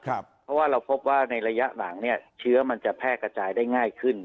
เพราะว่าเราพบว่าในระยะหลังเนี่ยเชื้อมันจะแพร่กระจายได้ง่ายขึ้น